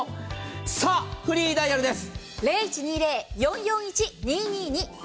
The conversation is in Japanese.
さあ、フリーダイヤルです。